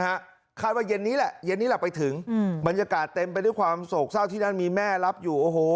คาดว่าเย็นนี้แหละเย็นนี้แหละไปถึงอืมบรรยากาศเต็มไปด้วยความโศกเศร้าที่นั่นมีแม่รับอยู่โอ้โห